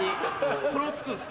これもつくんですか。